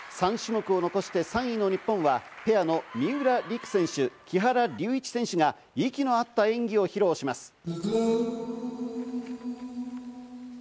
３種目を残して３位の日本はペアの三浦璃来選手、木原龍一選手が息の合った演技を披露します。